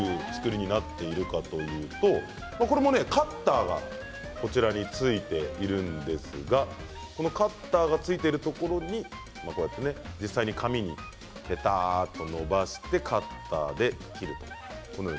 どういう作りになっているかというとこれもカッターがついていてカッターがついているところに実際に紙にぺたっと伸ばしてカッターで切る。